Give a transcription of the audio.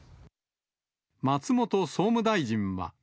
松本総務大臣は。